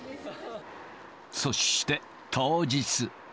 そして当日。